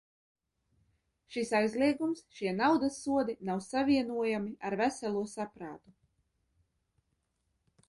Šis aizliegums, šie naudas sodi nav savienojami ar veselo saprātu.